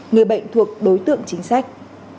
người bệnh thuộc đối tượng chính sách